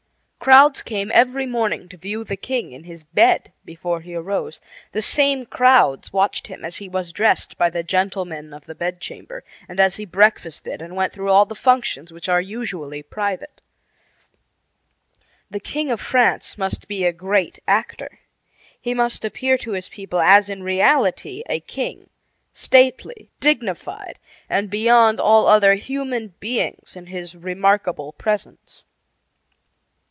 Crowds came every morning to view the king in his bed before he arose; the same crowds watched him as he was dressed by the gentlemen of the bedchamber, and as he breakfasted and went through all the functions which are usually private. The King of France must be a great actor. He must appear to his people as in reality a king stately, dignified, and beyond all other human beings in his remarkable presence.